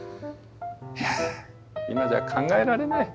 いや今じゃ考えられない。